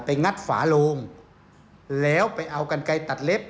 งัดฝาโลงแล้วไปเอากันไกลตัดเล็บ